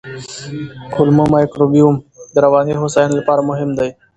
کولمو مایکروبیوم د رواني هوساینې لپاره مهم دی.